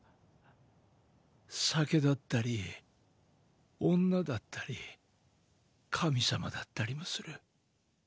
酒だったり女だったり神様だったりもする。